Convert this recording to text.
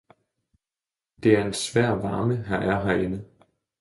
Det er en svær varme her er herinde!